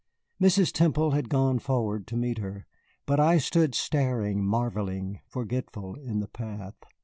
Mrs. Temple had gone forward to meet her, but I stood staring, marvelling, forgetful, in the path.